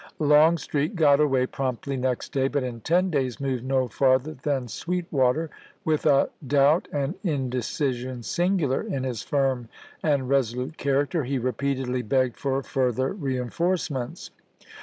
Longstreet got away promptly ^'u°s^°' next day, but in ten days moved no farther than vo1"i.', Sweetwater. With a doubt and indecision singular in his firm and resolute character, he repeatedly begged for further reenforcements.